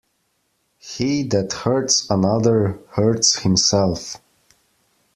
He that hurts another, hurts himself.